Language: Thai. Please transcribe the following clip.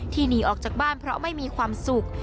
หนีออกจากบ้านเพราะไม่มีความสุข